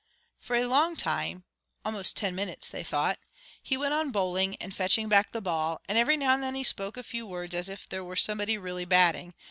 For a long time almost ten minutes, they thought he went on bowling and fetching back the ball; and every now and then he spoke a few words as if there were somebody really batting.